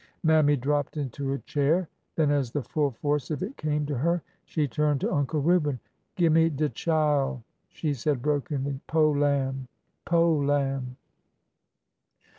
Mammy dropped into a chair. Then, as the full force of it came to her, she turned to Uncle Reuben. " Gimme de chile," she said brokenly. Po' lamb !... po' lamb